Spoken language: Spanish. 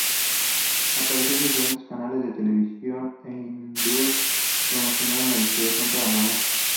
Aparecía en diferentes canales de televisión en hindúes, promocionando la Investigación Paranormal.